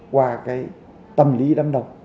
qua cái tâm lý đám đông